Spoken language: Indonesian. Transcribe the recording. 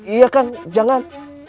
iya kang jangan